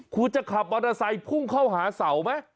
คุณจะขับมอเตอร์ไซค์พุ่งเข้าหาเสาไหม